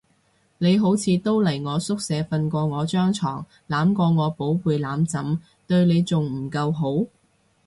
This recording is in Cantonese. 你好似都嚟我宿舍瞓過我張床，攬過我寶貝攬枕，對你仲唔夠好？